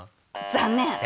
残念！